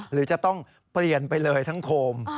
หรือจะต้องเปลี่ยนไปเลยทั้งโคม